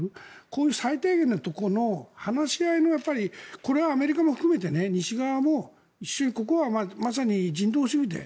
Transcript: こういう最低限のところの話し合いのこれはアメリカも含めて西側もここはまさに人道主義で。